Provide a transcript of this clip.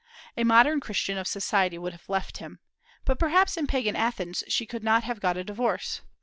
A modern Christian woman of society would have left him. But perhaps in Pagan Athens she could not have got a divorce.